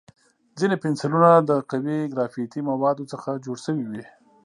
ځینې پنسلونه د قوي ګرافیتي موادو څخه جوړ شوي وي.